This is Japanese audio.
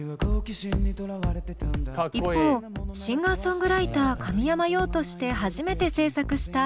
一方シンガーソングライター神山羊として初めて制作した「ＹＥＬＬＯＷ」。